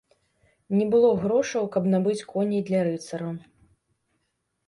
Не было грошаў, каб набыць коней для рыцараў.